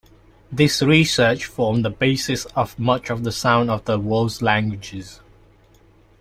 This research formed the basis of much of "The Sounds of the World's Languages".